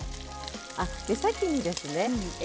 先にですね